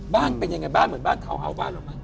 บ้านเป็นยังไงบ้านเหมือนบ้านเทาเฮาบ้านหรือเปล่า